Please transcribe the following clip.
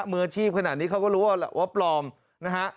มืออาชีพขนาดนี้เขาก็รู้ว่าปลอมนะฮะ